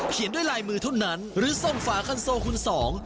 เขียนด้วยลายมือเท่านั้นหรือซ่อมฝากันโซคุณสอง